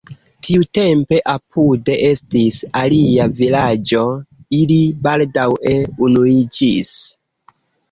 Tiutempe apude estis alia vilaĝo, ili baldaŭe unuiĝis.